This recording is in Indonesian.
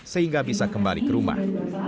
sehingga bisa kembali ke rumah